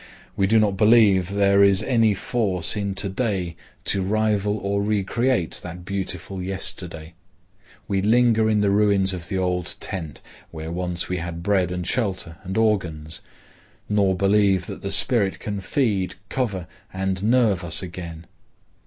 We do not believe there is any force in to day to rival or recreate that beautiful yesterday. We linger in the ruins of the old tent where once we had bread and shelter and organs, nor believe that the spirit can feed, cover, and nerve us again.